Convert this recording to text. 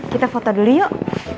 kita foto dulu yuk